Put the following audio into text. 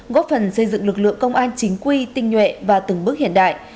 góp phần xây dựng lực lượng công an chính quy tinh nhuệ và từng bước hiện đại